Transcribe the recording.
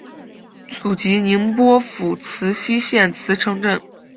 祖籍宁波府慈溪县慈城镇。